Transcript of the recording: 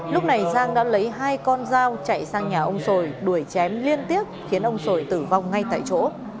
lúc này giang đã lấy hai con dao chạy sang nhà ông sồi đuổi chém liên tiếp khiến ông sồi tử vong ngay tại chỗ